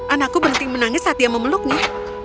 anakku berhenti menangis saat dia memeluknya